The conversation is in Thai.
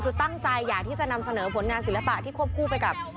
คือตั้งใจอยากที่จะนำเสนอผลงานศิลปะที่ควบคู่ไปกับ